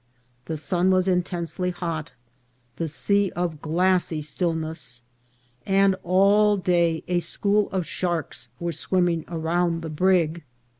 The sun was intensely hot, the sea of glassy stillness, and all day a school of sharks were swimming around the brig.